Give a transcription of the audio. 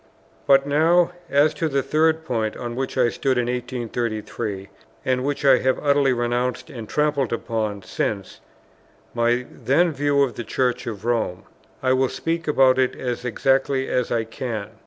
But now, as to the third point on which I stood in 1833, and which I have utterly renounced and trampled upon since, my then view of the Church of Rome; I will speak about it as exactly as I can.